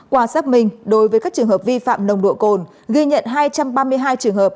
qua xác minh đối với các trường hợp vi phạm nồng độ cồn ghi nhận hai trăm ba mươi hai trường hợp